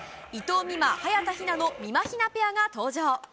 伊藤美誠、早田ひなのみまひなペアが登場。